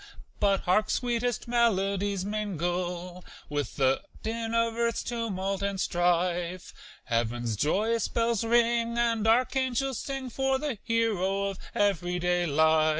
But hark! sweetest melodies mingle With the din of earth's tumult and strife Heaven's joyous bells ring and archangels sing For the hero of every day life.